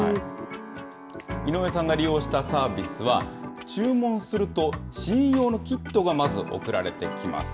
井上さんが利用したサービスは、注文すると試飲用のキットがまず送られてきます。